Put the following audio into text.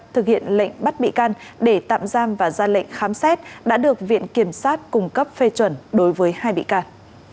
thực hiện lệnh bắt bị can để tạm giam và ra lệnh khám xét đã được viện kiểm sát cung cấp phê chuẩn đối với hai bị can